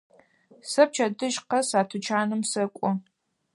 Сэ пчэдыжь къэс а тучаным сэкӏо.